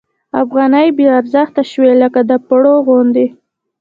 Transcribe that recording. افغانۍ بې ارزښته شوې لکه د پړو غوندې.